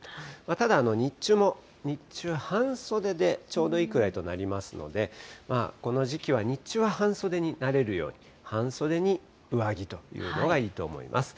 ただ日中、半袖でちょうどいいくらいとなりますので、この時期は日中は半袖になれるように、半袖に上着というのがいいと思います。